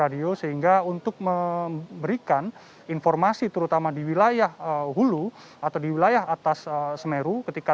radio sehingga untuk memberikan informasi terutama di wilayah hulu atau di wilayah atas semeru ketika